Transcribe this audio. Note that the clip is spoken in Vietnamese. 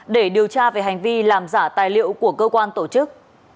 để điều tra về hành vi làm giả tài liệu của cơ quan tổ chức